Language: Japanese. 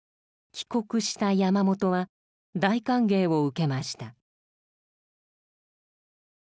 帰国した山本は大歓迎を受けました。